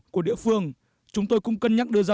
của địa phương chúng tôi cũng cân nhắc đưa ra